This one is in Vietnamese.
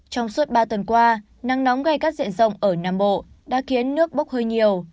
trong suốt ba tuần qua nắng nóng gây gắt diện rộng ở nam bộ đã khiến nước bốc hơi nhiều